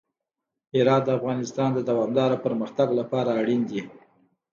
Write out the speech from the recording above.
هرات د افغانستان د دوامداره پرمختګ لپاره اړین دي.